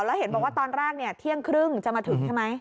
แล้วเห็นบอกว่าตอนแรกเที่ยงครึ่งจะมาถึงใช่ไหม